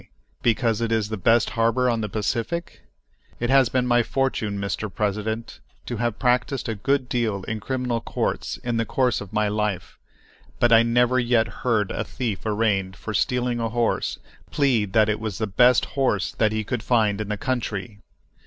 Because it is the best harbor on the Pacific! It has been my fortune, Mr. President, to have practised a good deal in criminal courts in the course of my life, but I never yet heard a thief arraigned for stealing a horse plead that it was the best horse that he could find in the country!